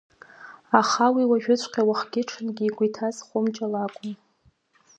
Аха уи уажәыҵәҟьа уахгьы-ҽынгьы игәы иҭаз Хәымҷа лакәын.